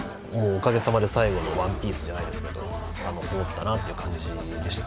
おかげさまで最後のワンピースじゃないですがすごかったなという感じです。